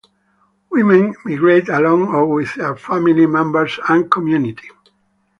Women migrate alone or with their family members and community.